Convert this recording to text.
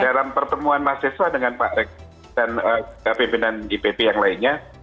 dalam pertemuan mahasiswa dengan pak rek dan pimpinan dpp yang lainnya